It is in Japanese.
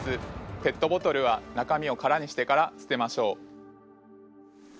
ペットボトルは中身を空にしてから捨てましょう！